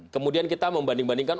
kemudian kita membanding bandingkan